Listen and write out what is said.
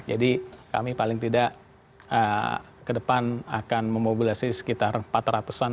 jadi kami paling tidak ke depan akan memobilisasi sekitar empat ratus an orang gitu ya